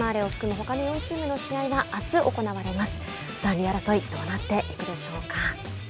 残留争いどうなっていくでしょうか。